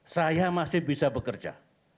saya masih bisa bekerja